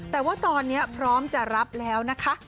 แต่ว่าตอนนี้พร้อมจะรับแล้วนะคะ